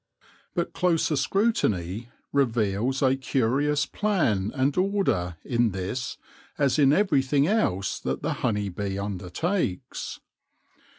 But closer scrutiny reveals a curious plan and order in this, as in everything else that the honey bee undertakes.